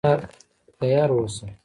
تیار اوسه.